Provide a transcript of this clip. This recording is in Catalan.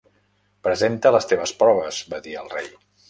"Presenta les teves proves", va dir el rei.